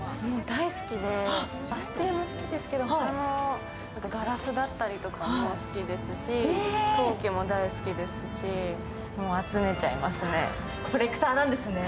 大好きで、ＡＳＴＩＥＲも好きですけど、ガラスだったりとかも好きですし、陶器も大好きですし、もう集めちゃいますね。